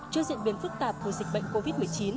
trước diễn biến phức tạp của dịch bệnh covid một mươi chín